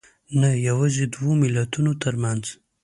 نه یوازې دوو ملتونو تر منځ